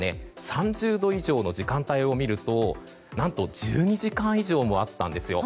３０度以上の時間帯を見ると何と１２時間以上もあったんです。